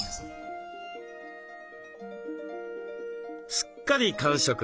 すっかり完食。